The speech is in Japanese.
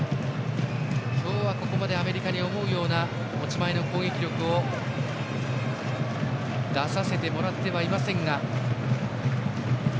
今日はここまでアメリカに思うような持ち前の攻撃力を出させてもらってはいませんが。